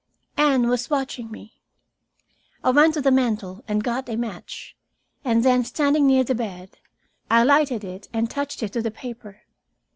Anne was watching me. I went to the mantel and got a match, and then, standing near the bed, I lighted it and touched it to the paper.